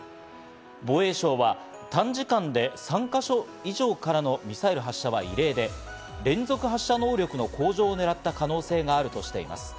防衛省は短時間で３か所以上からのミサイル発射は異例で、連続発射能力の向上を狙った可能性があるとしています。